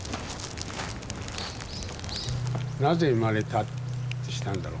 なぜ生まれたってしたんだろうかね。